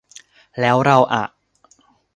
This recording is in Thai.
แล้วเราอะ